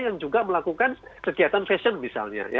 yang juga melakukan kegiatan fashion misalnya